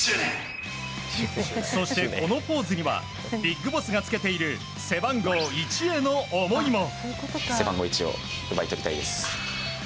そしてこのポーズにはＢＩＧＢＯＳＳがつけている背番号１への思いも。